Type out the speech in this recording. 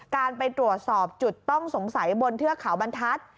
การไปตรวจสอบจุดต้องสงสัยบนเทือกเขาบรรทัศน์